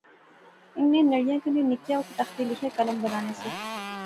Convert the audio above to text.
انیں نڑیاں کنے نکیاں او تختی لیخیاں قلم بنانے سے